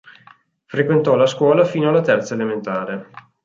Frequentò la scuola fino alla terza elementare.